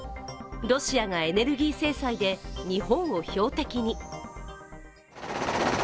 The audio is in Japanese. ロシアがエネルギー制裁で日本を標的に。